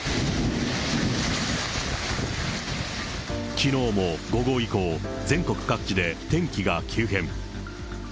きのうも午後以降、全国各地で天気が急変。